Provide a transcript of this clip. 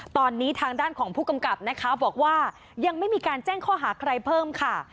ตอนนี้ทางด้านของผู้กำกับนะคะบอกว่ายังไม่มีการแจ้งข้อหาใครเพิ่มค่ะ